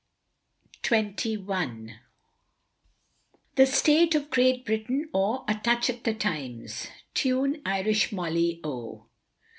THE STATE OF Great Britain, OR A TOUCH AT THE TIMES. _TUNE Irish Molly O.